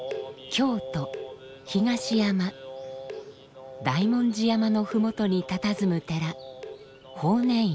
京都・東山大文字山の麓にたたずむ寺法然院。